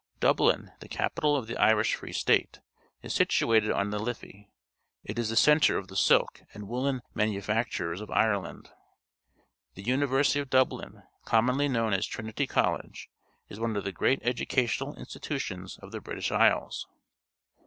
— Dublin, the capital of the Irish Free State, is situated on the Liffey. It is the centre of the silk and woollen manu factures of Ireland. The University of Dublin, commonly known as Trinity College, is one of the great educational institutions of the British Isles.